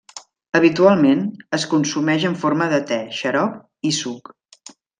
Habitualment, es consumeix en forma de te, xarop i suc.